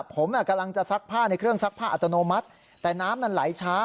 ผมกำลังจะซักผ้าในเครื่องซักผ้าอัตโนมัติแต่น้ำมันไหลช้า